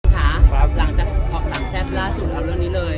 คุณคะหลังจากพศ๓แทรศดูครั้งนี้เลย